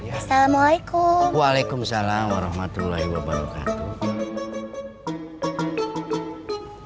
assalamualaikum waalaikumsalam warahmatullahi wabarakatuh